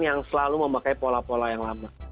yang selalu memakai pola pola yang lama